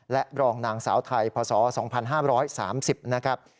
และรองนางสาวไทยพศ๒๕๓๐นะครับ